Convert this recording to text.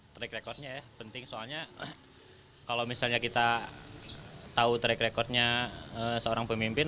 track record nya penting soalnya kalau misalnya kita tahu track record nya seorang pemimpin